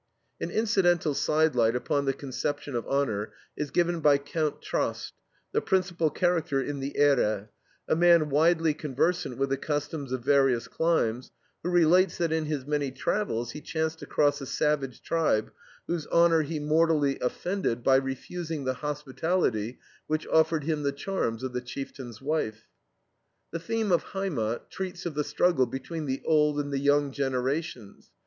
An incidental side light upon the conception of honor is given by Count Trast, the principal character in the EHRE, a man widely conversant with the customs of various climes, who relates that in his many travels he chanced across a savage tribe whose honor he mortally offended by refusing the hospitality which offered him the charms of the chieftain's wife. The theme of HEIMAT treats of the struggle between the old and the young generations.